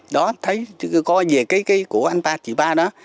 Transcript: đó thấy coi về cái của anh ta chị ba đó